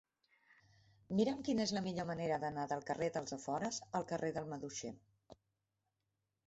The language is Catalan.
Mira'm quina és la millor manera d'anar del carrer dels Afores al carrer del Maduixer.